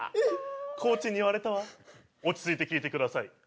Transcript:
コーチに言われたわ落ち着いて聞いてください。